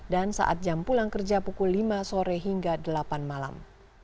dan saat jam pulang kerja pukul lima sore hingga delapan malam